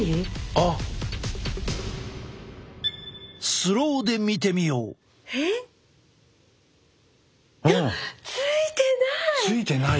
あっついてない！